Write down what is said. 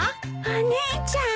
お姉ちゃん。